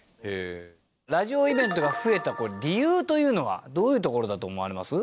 ラジオイベントが増えた理由というのはどういうところだと思われます？